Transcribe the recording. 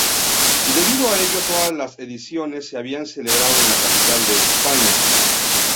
Debido a ello todas las ediciones se habían celebrado en la capital de España.